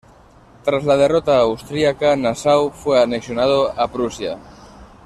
Tras la derrota austríaca, Nassau fue anexionado a Prusia.